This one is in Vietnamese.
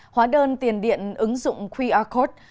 hóa đơn tiền điện ứng dụng qr code